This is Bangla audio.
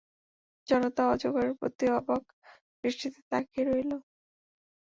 জনতা অজগরের প্রতি অবাক দৃষ্টিতে তাকিয়ে রইল।